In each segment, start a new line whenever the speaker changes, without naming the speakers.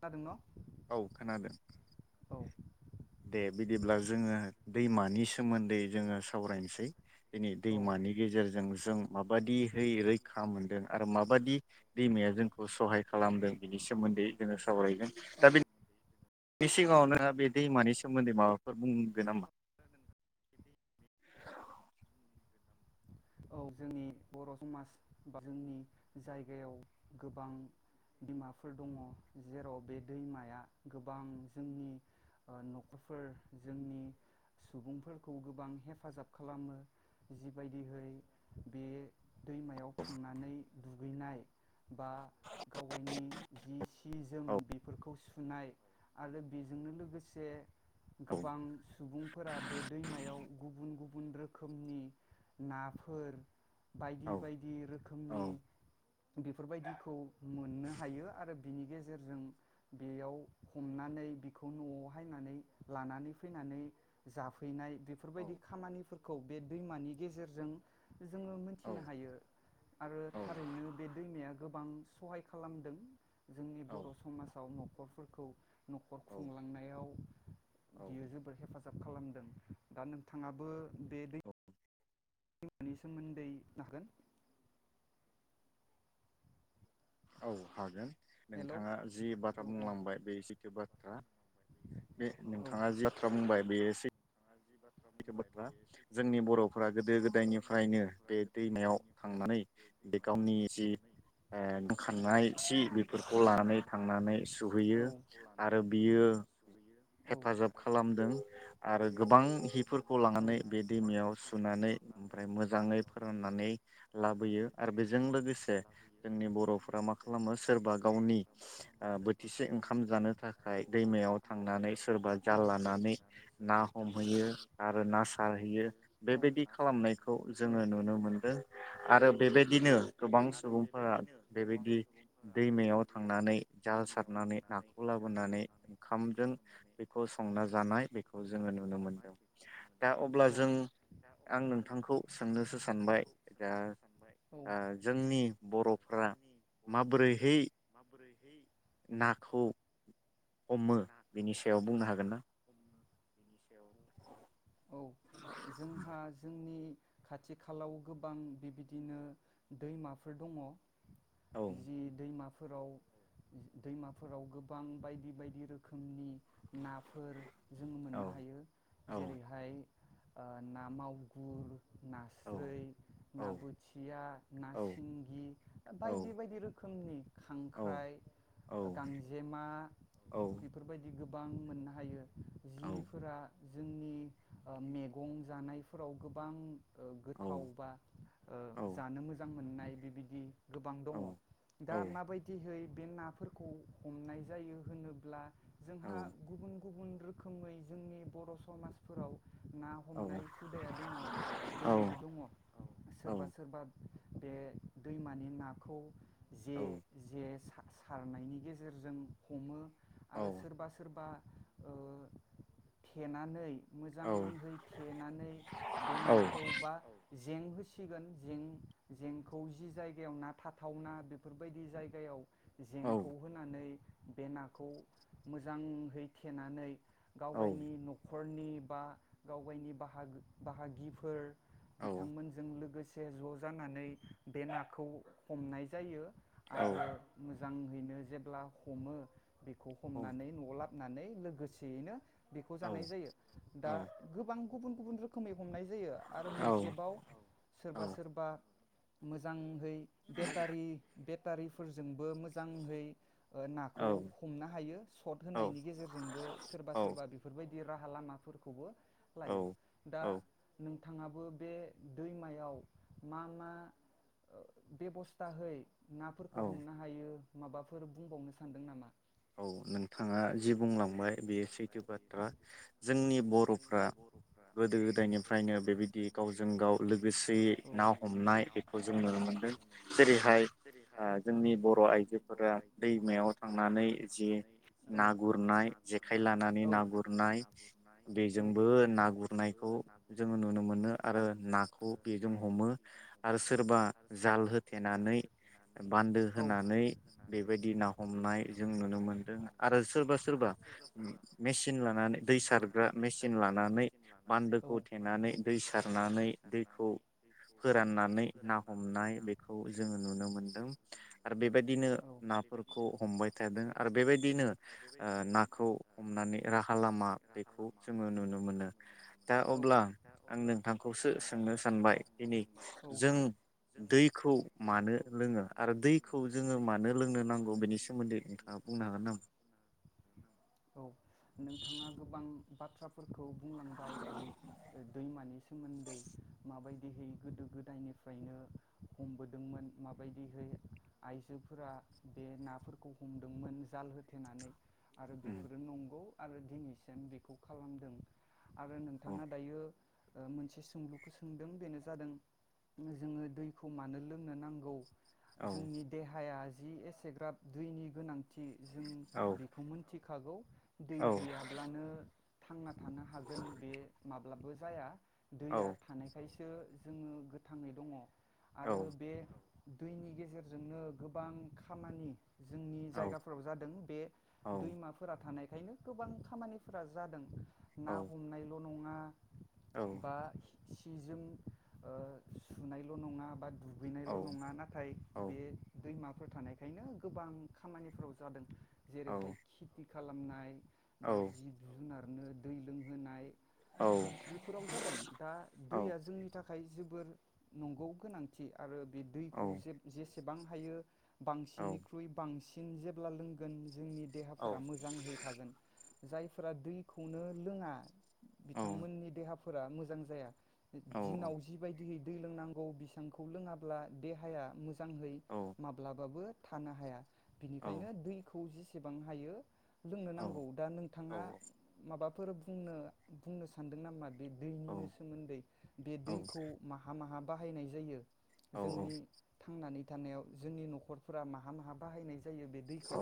खोनादों न'
औ खोनादों दे बिदिब्ला जोङो दैमानि सोमोन्दै जोङो सावरायनोसै दिनै दैमानि गेजेरजों जों माबादिहै रैखा मोनदों आरो माबादि दैमाया जोंखौ सहाय खालामदों बिनि सोमोन्दै जोङो ग दा बे बे सिगाङावनो बे दैमानि सोमोन्दै माबाफोर बुंगोन नामा
औ जोंनि बर' समाज बा जोंनि जायगायाव गोबां बिमाफोर दङ जेराव बे दैमाया गोबां जोंनि न'खरफोर जोंनि सुबुंफोरखौ गोबां हेफाजाब खालामो जिबायदिहै बे दैमायाव थांनानै दुगैनाय बा गाव गायनि जि सि जोम बेफोरखौ सुनाय आरो बेजोंनो लोगोसे गोबां सुबुंफोरा बे दैमायाव गुबुन गुबुन रोखोमनि नाफोर फोर बायदि बायदि रोखोमनि बेफोरबायदिखौ मोननो हायो आरो बिनि गेजेरजों बेयाव हमनानै बिखौ न'आवहायनानै लानानै फैनानै जाफैनाय बेफोरबायदि खामानिफोरखौ खौ बे दैमानि गेजेरजों जोङो मोनथिनो हायो आरो थारैनो बे दैमाया गोबां सहाय खालामदों जोंनि बर' समाजाव न'खर फोरखौ न'खर खुंलांनायाव बियो जोबोर हेफाजाब खालामदों दा नोंथाङाबो बे दै मानि सोमोन्दै बुंनो हागोन?
औ हागोन। नोंथाङा जि बाथ्रा बुंलांबाय बे जे बाथ्रा बे नोंथाङा जि बाथ्रा बुंबाय बे एसे एखे बाथ्रा जोंनि बर'फोरा गोदो गोदायनिफ्रायनो बे दैमायाव थांनानै बे गावनि जि ओ गानखांनाय सि बेफोरखौ लानानै थांनानै सुहैयो आरो बियो हेफाजाब खालामदों आरो गोबां हि फोरखौ लानानै बे दैमायाव सुनानै ओमफ्राय मोजाङै फोराननानै लाबोयो आरो बेजों लोगोसे जोंनि बर'फोरा मा खालामो सोरबा गावनि बोथिसे ओंखाम जानो थाखाय दैमायाव थांनानै सोरबा जाल लानानै ना हमहैयो। बेयो आरो ना सारहैयो बेबायदि खालामनायखौ जोङो नुनो मोनदों आरो बेबायदिनो गोबां सुबुंफोरा बेबायदि दैमायाव थांनानै जाल सारनानै नाखौ लाबोनानै ओंखामजों बेखौ संना जानाय बेखौ जोङो नुनो मोनदों दा अब्ला जों आं नोंथांखौ सोंनोसो सानबाय दा ओ जोंनि बर'फोरा माबोरैहै
बोरैहै
नाखौ हमो बेनि सायाव बुंनो हागोन ना?
बिनि सायाव बुंनो हागोनना औ जोंहा जोंनि खाथि खालाव गोबां बेबायदिनो दैमाफोर दङ जि दैमा फोराव दैमाफोराव गोबां बायदि बायदि रोखोमनि नाफोर जोङो मोननो हायो जेरैहाय ओ ना मागुर नास्राय ना बोथिया ना सिंगि बायदि बायदि रोखोम रोखोमनि खांख्राइ गांजेमा बेफोरबायदि गो बां मोननो हायो। जिफोरा जोंनि ओ मेगं जानायफोराव गोबां ओ गोथाव बा ओ जानो मोजां मोनना आइ बिबायदि गोबां दङ दा माबायदिहै बे नाफोरखौ हमनाय जायो होनो ब्ला जोंहा गुबुन गुबुन रोखोमै जोंनि बर' समाजफोराव ना हमनाय हुदाया दङ दिनैबो दङ औ सोरबा सोरबा बे दैमानि नाखौ जे जे सा सारनायनि गेजेरजों हमो। आरो सोरबा सोरबा ओ थेनानै मोजांहै थेनानै बे नाखौ बा जें होसिगोन जें जेंखौ जि जायगायाव ना थाथावना बेफोरबायदि जायगायाव जेंखौ होनानै बे नाख खौ मोजाङै थेनानै गावगाइनि न'ख खरनि बा गावगायनि बाहागो बाहागिफोर बिथांमोनजों लोगोस से ज' जानानै बे नाखौ हमनाय जायो। आरो मोन जांहैनो जेब्ला हमो बेखौ हमनानै न'आव लाब होननानै लोगोसेयैनो बेखौ जानाय जायो दा गोबां गुबुन गुबुन रोखोमै हमनाय जायो आरो मोनसेबाव सोरबा सोरबा मोजांहै बेटारि बेटारिफोरजोंबो मोजांहै ओ नाखौ मोननो हायो चट होनायनि गेजेरजोंबो सोरबा सोरबा बेफोर बाय दि राहा लामाफोरखौबो लायो दा नों थाङाबो बे दैमायाव मा मा ओ बेबस्थाहै नाफोरखौ हमनो हायो। माबाफोर बुंबावनो सानदों नामा?
औ नोंथाङा जि बुंलांबाय बेयो सैथो बाथ्रा जोंनि बर'फ्रा गोदो गोदायनिफ्रायनो बेबायदि गावजों गाव लोगोसेयै ना हमनाय बेखौ जों नुनो मोनदों जेरैहाय ओ जोंनि बर' आइजोफोरा दैमायाव थांनानै जि ना गुरना जेखाइ लानानै ना गुरनाय बेजोंबो ना गुरनायखौ जोङो नुनो मोनो आरो नाखौ बेजों हमो आरो सोरबा जाल होथेनानै बान्दो होनानै बेबायदि ना हमनाय जों नु- मोनदों आरो सोरबा- सोरबा मेचिन लानानै दै सारग्रा मेचिन लानानै बान्दोखौ थेनानै दै सारनानै दैखौ फोराननानै ना हमनाय बेखौ जोङो नुनो मोनदों आरो बेबायदिनो नाफोरखौ हमबाय थादों बेबायदिनो अ ना हमनानै राहा लामा बेखौ जोङो नुनो मोनो दा अब्ला आं नोंथांखौसो सोंनो सानबाय दिनै जों दैखौ मानो लोङो आरो दैखौ जोङो मानो लोंनो नांगौ बेनि सोमोन्दै नोंथां बुंनो हागोन ना?
औ नोंथाङा गोबां बाथ्राफोरखौ बुंलांबाय दै-दैमानि सोमोन्दै माबायदिहै गोदो गोदायनिफ्रायनो हमबोदोंमोन माबायदिहै आइजोफोरा बे नाफोरखौ हमदोंमोन जाल होथेनानै आरो बेफोरो नंगौ आरो दिनैसिम बेखौ खालामदों आरो नोंथाङा दायो अ मोनसे सोंलुखौ सोंदों बेनो जादों जोङो दैखौ मानो लोंनो नांगौ जोंनि देहाया जि एसेग्राब दैुनि गोनांथि जों बेखौ मोनथि- खागौ दै गैयाब्लानो थांना थानो हागोन बे माब्लाबो जाया दैया थानायखाय- सो जोङो गोथाङै दङ'। आरो बे दैनि गेजेरजोंनो गोबां खामानि जोंनि जायगाफोराव जादों। बे दैमाफोरा थानायखायनो गोबां खामानिफोरा जादों। ना हमनायल' बा सि-जोम ओ सुनायल' नङा बा दु- गैनायल' नङा नाथाय बे दैमा फोर थानायखायनो गोबां खामानिफोराव जादों। जेरैहाय खेथि खालामनाय बा जिब जुनार नो दै लोंहोनाय बेफोराव जादों दा दैया जोंनि थाखाय जोबो र नंगौ गोनांथि आरो बे दैखौ जे-जे सेबां हायो बांसिननिख्रुइ बांसिन जेब्ला लों गोन जोंनि देहाफोरा मोजांहै थागोन। जायफोरा दैखौनो लोङा बिथांमोननि देहा फोरा मोजां जाया। दिनाव जिबायदिहै दै लोंनांगौ बिसांखौ लोङाब्ला देहाया मोजांहै माब्लाबाबो थानो हाया। बिनिखायनो दै- खौ जेसेबां हायो लोंनो नांगौ दा नोंथाङा माबा फोर बुंनो सानदों नामा? बे दैनिनो सोमोन्दै बे दैखौ माहा माहा बाहायनाय जायो? जोंनि थांनानै थानायाव जोंनि न'खरफोरा माहा माहा बाहायनाय ज जायो बे दैखौ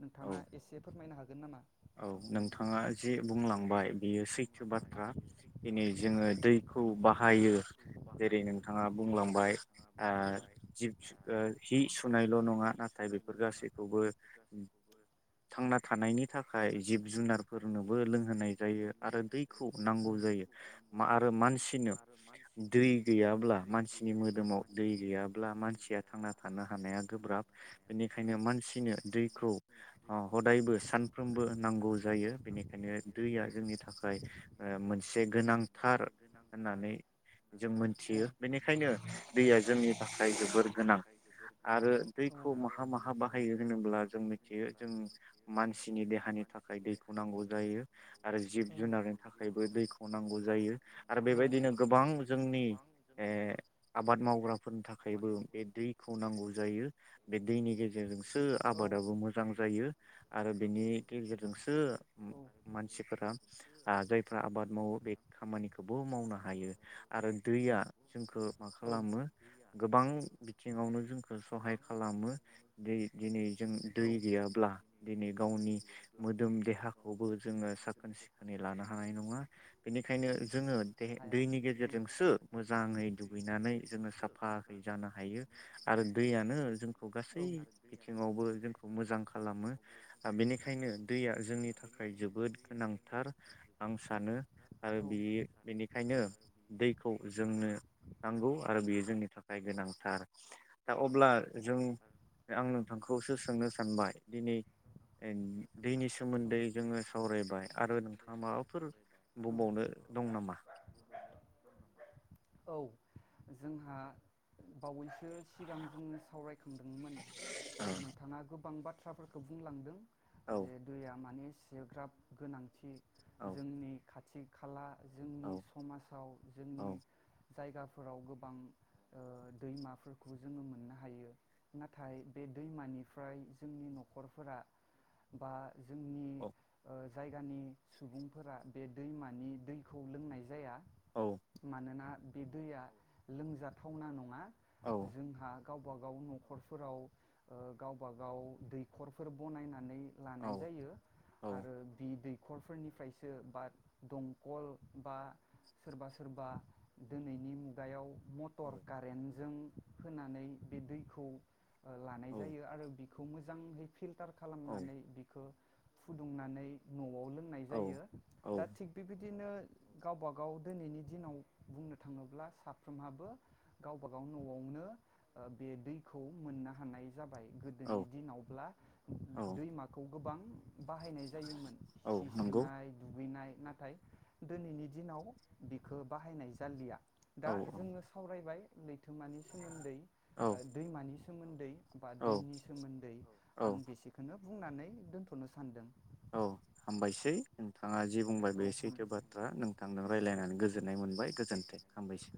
नोंथाङा एसे फोरमायनो हागोन नामा?
औ नोंथाङा जे बुंलांबाय बियो सैथो बाथ्रा दिनै जोङो दैखौ बाहायो जेरै नोंथाङा बुंलांबाय जिब हि सुनायल' नङा नाथाय बेफोर गासैखौबो थांना थानायनि थाखाय थाखाय जिब जुनारफोरनोबो लोंहोनाय जायो आरो दैखौ नांगौ जायो आरो मानसिनो दै गैयाब्ला मानसिनि मोदोमाव दै गैयाब्ला मानसिया थांना थानो हानाया गोब्राब बेनिखायनो मानसिनो दैखौ हदायबो सान फ्रोमबो नांगौ जायो बेनिखायनो दैया जोंनि थाखाय ओ मोनसे गोनांथार होननानै जों मोनथियो बेनिखायनो दैया जोंनि थाखाय जोबोर गोनां आरो दै खौ माहा माहा बाहायो होनोब्ला जों मिथियो जों मान नि देहानि थाखाय दैखौ नांगौ जायो आरो जिब जुनारनि थाखायबो दैखौ नांगौ जायो आरो बेबायदिनो गोबां जोंनि ओ आबाद मावग्राफोरनि थाखायबो बे दैखौ नांगौ जायो बे दैनि गेजेरजोंसो आबादाबो मोजां जायो आरो बेनि गेजेरजोंसो मानसिफोरा जायफ्रा आबाद मावो बे खामानिखौबो मावनो हायो आरो दैया जोंखौ मा खालामो गोबां बिथिङावनो जोंखौ खालामो दै दिनै जों दै गैयाब्ला दिनै गावनि मोदोम देहाखौबो जोङो साखोन सिखोनै लानो हानाय नङा बेनिखायनो जोङो दैनि गेजेरजोंसो मोजाङै दुगैनानै जोङो साफायै जानो हायो आरो दैयानो जोंखौ गासै बिथिङावबो जोंखौ मोजां खालामो बेनिखायनो दैया जोंनि थाखाय जोबोद गोनांथार आं सानो आरो बे बेनिखायनो दैखौ जोंनो नांगौ आरो बेयो जोंनि थाखाय गोनांथार थार दा अब्ला जों आं नोंथांखौसो सोंनो सान सानबाय दिनै दैनि सोमोन्दै जोङो सावरायबाय आरो नोंथाङा माबाफोर बुंबावनो दं नामा
औ जोंहा बावैसो सिगां जोङो सावराय खांदोंमोन नोंथाङा गोबां बाथ बाथ्राफोरखौ बुंलांदों जे दैया माने जोग्राब गोनांथि जोंनि खाथि खाला जोंनि समाजाव जोंनि जायगा फोराव गोबां ओ दैमाफोरखौ जोङो मोननो हायो नाथाय बे दैमानिफ्राय जोंनि न'खरफोरा बा जोंनि
औ
जायगानि सुबुंफोरा बे दैमानि दैखौ लोंनाय जाया मानोना बे दैया लोंजाथावना नङा जोंहा गावबा गाव न'खरफोराव ओ गावबा गाव दैखरफोर बनायनानै लानाय जायो आरो बि दै न'खरफोरनिफ्रायसो बार दंखल बा सोरबा सोरबा दोनैनि मुगायाव मटर कारेन्टजों होनानै बे दैखौ ओ लानाय जायो आरो खौ मोजांहै फिल्टार खालामनानै बिखो फुदुंनानै न' न'आव लोंनाय जायो। दा थिग बेबायद दिनो गावबा गाव दोनैनि दिनाव बुंनो थाङोब्ला साफ्रोमहाबो गावबा गाव न'आवनो ओ बे दैखौ मोननो हानाय जाबाय गोदोनि दिनावब्ला उम दैमाखौ गोबां बाहायनाय जायोमोन सि सुनाय दु दुगैनाय नाथाय दोनैनि दिनाव बिखो बाहायनाय जालिया। दा जोङो सावरायबाय लैथोमानि सोमोन्दै ओ दैमानिस सोमोन्दै बा दैनि सोमोन्दै औ आं बेसेखोनो बुंनानै दोनथ'नो सानदों।
औ हामबायसै। नोंथाङा जि बुंबाय बे सैथो बाथ्रा नोंथांदो रायलायनानै गोजोननाय मोनबाय गोजोन्थों हामबायसै।